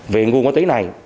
về nguồn ma túy này